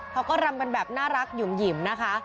เขาก็รำกันแบบน่ารักหยุ่มหิมนะคะ